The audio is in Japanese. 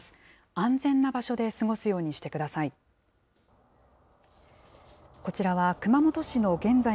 安全な場所で過ごすようにしてください。